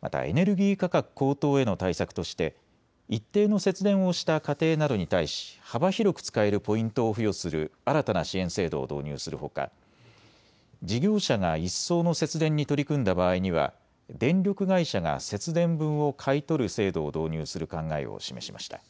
またエネルギー価格高騰への対策として一定の節電をした家庭などに対し幅広く使えるポイントを付与する新たな支援制度を導入するほか事業者が一層の節電に取り組んだ場合には電力会社が節電分を買い取る制度を導入する考えを示しました。